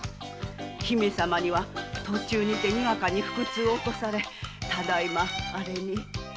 姫様には途中にて腹痛を起こされただ今あれに。